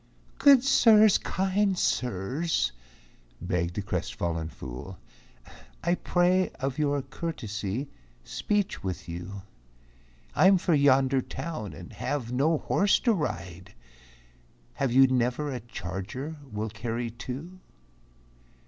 "Good Sirs, Kind Sirs," begged the crestfallen fool, "I pray of your courtesy speech with you, I'm for yonder town, and have no horse to ride, Have you never a charger will carry two?"